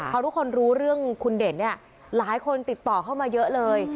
พอทุกคนรู้เรื่องคุณเด่นเนี่ยหลายคนติดต่อเข้ามาเยอะเลย